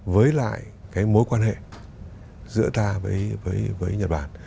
với lại cái mối quan hệ giữa ta với nhật bản